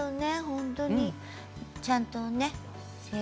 本当にちゃんとね。